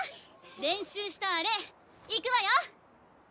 練習したアレいくわよ！